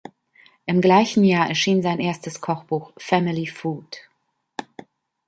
Im gleichen Jahr erschien sein erstes Kochbuch, "Family Food".